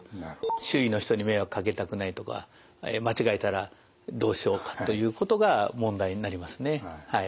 「周囲の人に迷惑かけたくない」とか「間違えたらどうしようか」ということが問題になりますねはい。